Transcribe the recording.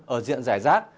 ở diện rải rác